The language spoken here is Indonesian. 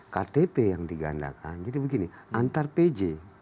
ktp yang digandakan jadi begini antar pj